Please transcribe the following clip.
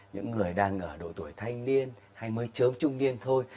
những người đang ở độ tuổi thanh niên hay mới chớm trung niên thôi